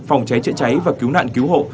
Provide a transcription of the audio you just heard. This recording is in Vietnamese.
phòng cháy chữa cháy và cứu nạn cứu hộ